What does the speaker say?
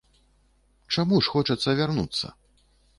Чаму ж хочацца вярнуцца?